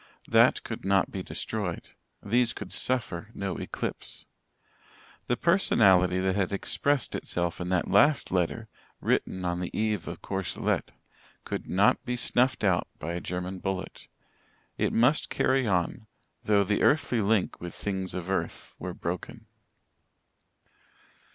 That could not be destroyed these could suffer no eclipse. The personality that had expressed itself in that last letter, written on the eve of Courcelette, could not be snuffed out by a German bullet. It must carry on, though the earthly link with things of earth were broken.